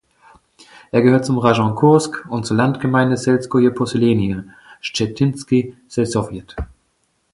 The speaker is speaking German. Er gehört zum Rajon Kursk und zur Landgemeinde "(selskoje posselenije) Schtschetinski selsowjet".